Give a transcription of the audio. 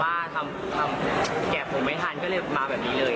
ว่าทำแกะผมไม่ทันก็เลยมาแบบนี้เลย